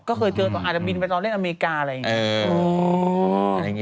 ก็เคยเจอก่อนอาจจะบินไปตอนเล่นอเมริกาอะไรอย่างนี้